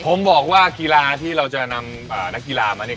ผมบอกว่ากีฬาที่เราจะนำนักกีฬามาเนี่ย